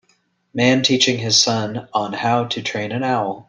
Man teaching his son on how to train an owl.